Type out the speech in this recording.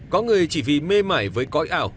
có người chỉ vì mê mải với cõi ảo